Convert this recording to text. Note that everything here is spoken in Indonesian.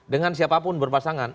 dengan siapapun berpasangan